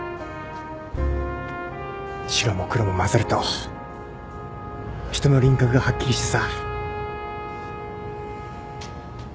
白も黒もまざると人の輪郭がはっきりしてさ。